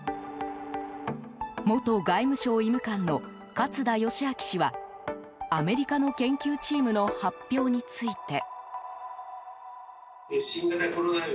元外務省医務官の勝田吉彰氏はアメリカの研究チームの発表について。